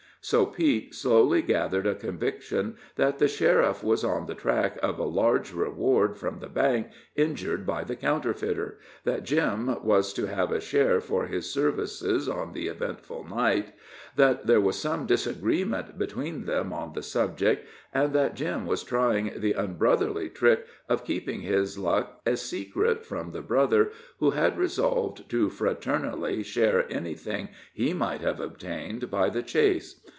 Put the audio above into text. So Pete slowly gathered a conviction that the sheriff was on the track of a large reward from the bank injured by the counterfeiter; that Jim was to have a share for his services on the eventful night; that there was some disagreement between them on the subject, and that Jim was trying the unbrotherly trick of keeping his luck a secret from the brother who had resolved to fraternally share anything he might have obtained by the chase.